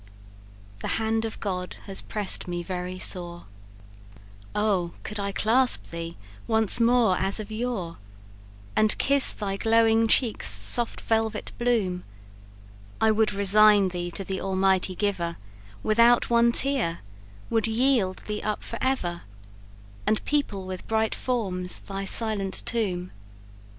"The hand of God has press'd me very sore Oh, could I clasp thee once more as of yore, And kiss thy glowing cheeks' soft velvet bloom, I would resign thee to the Almighty Giver Without one tear, would yield thee up for ever, And people with bright forms thy silent tomb.